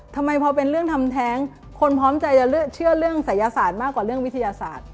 ทำไมพอเป็นเรื่องทำแท้งคนพร้อมใจจะเชื่อเรื่องศัยศาสตร์มากกว่าเรื่องวิทยาศาสตร์